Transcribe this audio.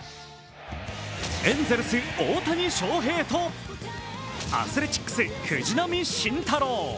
エンゼルス・大谷翔平とアスレチックス・藤浪晋太郎。